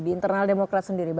di internal demokrat sendiri